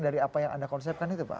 dari apa yang anda konsepkan itu pak